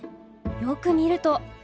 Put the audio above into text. よく見ると。